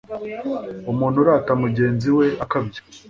umuntu urata mugenzi we akabya